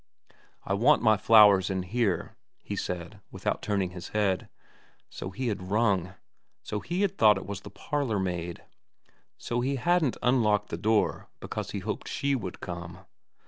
* I want my flowers in here,' he said, without turning his head. So he had rung. So he thought it was the parlour n VERA 225 maid. So he hadn't unlocked the door because he hoped she would come.